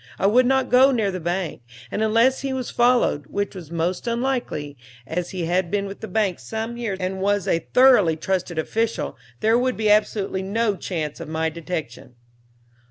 I would not go near the bank, and unless he was followed, which was most unlikely, as he had been with the bank some years and was a thoroughly trusted official, there would be absolutely no chance of my detection.'"